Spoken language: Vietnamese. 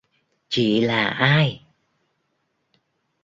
Chị là ai